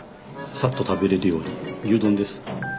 サッと食べれるように牛丼です。